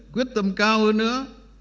quyết tâm cao hơn nữa